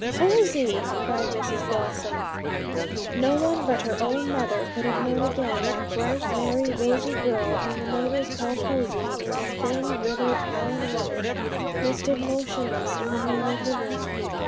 'Posy!' cried Mrs Blossom. No one but her own mother could have known again the bright, merry, rosy girl, whom the neighbours called Posy, in the thin, withered, pallid woman who stood motionless in the middle of the room.